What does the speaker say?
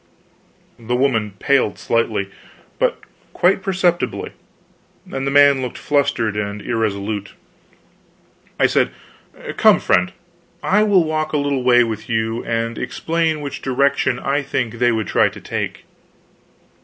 The woman paled slightly, but quite perceptibly, and the man looked flustered and irresolute. I said: "Come, friend, I will walk a little way with you, and explain which direction I think they would try to take.